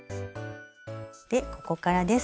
でここからです。